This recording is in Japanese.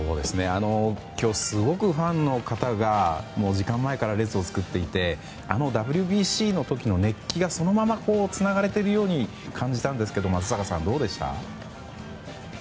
今日すごくファンの方が何時間も前から列を作っていてあのＷＢＣの時の熱気がそのままつながれているように感じたんですが松坂さん、どうでした？